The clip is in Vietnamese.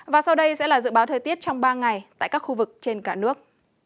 và sau đây sẽ là dự báo thời tiết trong ba ngày tại các khu vực trên cả nước